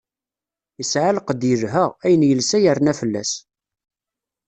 Yesɛa lqedd yelha, ayen yelsa yerna fell-as.